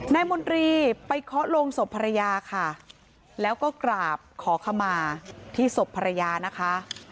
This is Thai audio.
มนตรีไปเคาะลงศพภรรยาค่ะแล้วก็กราบขอขมาที่ศพภรรยานะคะ